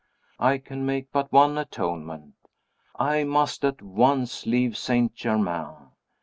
I can make but one atonement I must at once leave St. Germain.